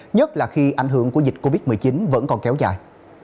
nhất là khi ảnh hưởng của dịch covid một mươi chín vẫn còn kéo dài